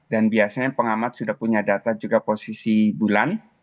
dan biasanya pengamat sudah punya data juga posisi bulan